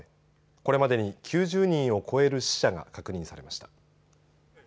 これまでに９０人を超える死者が確認されました。